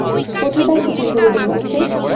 কোথাকার কুকুরগুলো দৌড়াচ্ছে!